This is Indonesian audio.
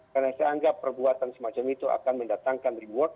karena saya anggap perbuatan semacam itu akan mendatangkan reward